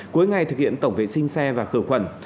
cuối ngày thực hiện tổng vệ sinh xe và khử khuẩn